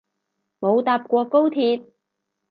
冇搭過高鐵